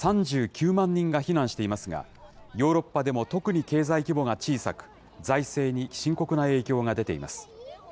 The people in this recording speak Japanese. ３９万人が避難していますが、ヨーロッパでも特に経済規模が小さく、財政に深刻な影響が出ています。